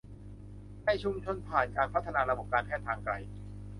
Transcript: ในชุมชนผ่านการพัฒนาระบบการแพทย์ทางไกล